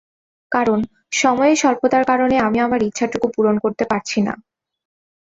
কারণ, সময়ের স্বল্পতার কারণে আমি আমার ইচ্ছাটুকু পূরণ করতে পারছি না।